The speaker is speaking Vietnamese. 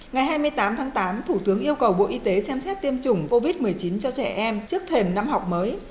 ngày hai mươi tám tháng tám thủ tướng yêu cầu bộ y tế xem xét tiêm chủng covid một mươi chín cho trẻ em trước thềm năm học mới